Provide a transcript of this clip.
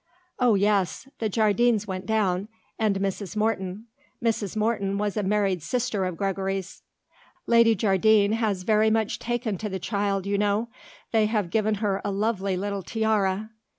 "Oh, yes; the Jardines went down, and Mrs. Morton;" Mrs. Morton was a married sister of Gregory's. "Lady Jardine has very much taken to the child you know. They have given her a lovely little tiara."